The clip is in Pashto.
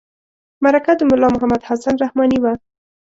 مرکه د ملا محمد حسن رحماني وه.